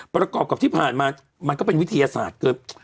ประกอบกับที่ผ่านมามันก็เป็นวิทยาศาสตร์เกิน